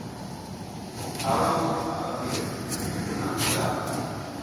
Aro tup a viŋ vur naŋ guta.